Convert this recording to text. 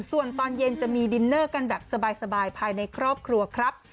ส่วนตอนเย็นจะมีดินเนอร์กันแบบสบายภายในครอบครัวครับ